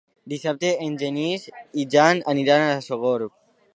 Dissabte en Genís i en Jan aniran a Sogorb.